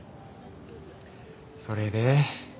それで？